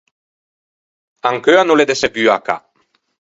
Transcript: Ancheu a no l’é de seguo à cà.